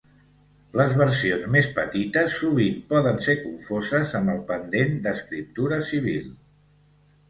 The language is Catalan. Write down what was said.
Les versions més petites sovint poden ser confoses amb el pendent d'escriptura civil.